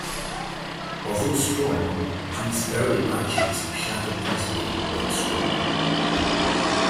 Although strong, these early batches shattered easily when struck.